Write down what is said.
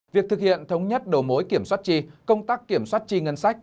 việc thực hiện thống nhất đầu mối kiểm soát chi công tác kiểm soát chi ngân sách